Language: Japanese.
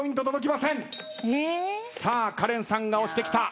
さあカレンさんが押してきた。